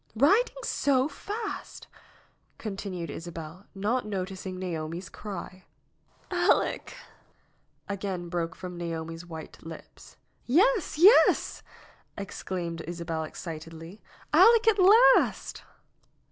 "Biding so fast !" continued Isabel, not noticing Naomi's cry. "Aleck !" again broke from Naomi's white lips. "Yes! yes!" exclaimed Isabel excitedly. "Aleck at last